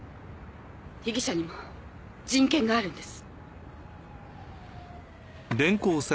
被疑者にも人権があるんです。